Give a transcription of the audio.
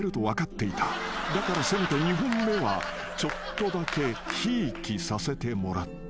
［だからせめて２本目はちょっとだけひいきさせてもらった］